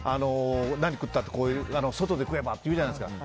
何食ったって、外で食えばって言うじゃないですか。